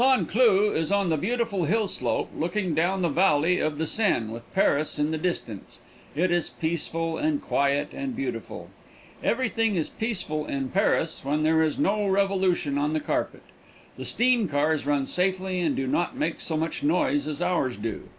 Cloud is on the beautiful hill slope, looking down the valley of the Seine, with Paris in the distance. It is peaceful and quiet and beautiful. Everything is peaceful in Paris when there is no revolution on the carpet. The steam cars run safely and do not make so much noise as ours do.